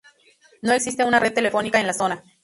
No existe una red telefónica en la zona.